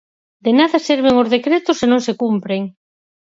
De nada serven os decretos se non se cumpren.